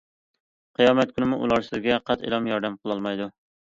قىيامەت كۈنىمۇ ئۇلار سىزگە قەتئىيلا ياردەم قىلالمايدۇ.